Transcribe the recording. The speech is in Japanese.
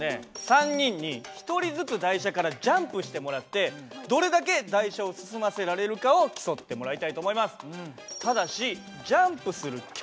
３人に１人ずつ台車からジャンプしてもらってどれだけ台車を進ませられるかを競ってもらいたいと思います。